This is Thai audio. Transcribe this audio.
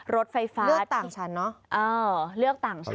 รถไฟฟ้าเลือกต่างชั้นเนอะเลือกต่างชั้น